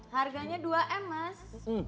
harganya dua m mas